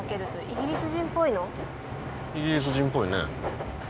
イギリス人っぽいね。